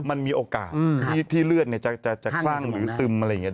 มันมีโอกาสที่เลือดจะคลั่งหรือซึมอะไรอย่างนี้